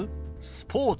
スポーツ。